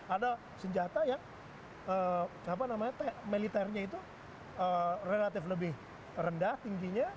ada senjata yang militernya itu relatif lebih rendah tingginya